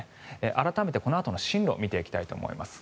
改めて、このあとの進路を見ていきたいと思います。